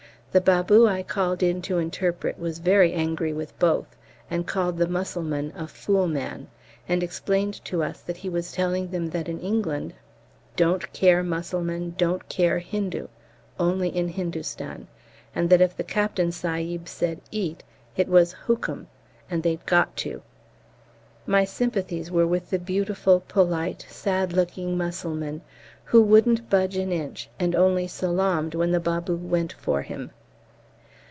The Babu I called in to interpret was very angry with both, and called the M. a fool man, and explained to us that he was telling them that in England "Don't care Mussulman, don't care Hindu" only in Hindustan, and that if the Captain Sahib said "Eat," it was "Hukm," and they'd got to. My sympathies were with the beautiful, polite, sad looking M., who wouldn't budge an inch, and only salaamed when the Babu went for him.